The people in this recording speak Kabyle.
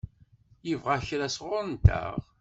Yebɣa kra sɣur-nteɣ?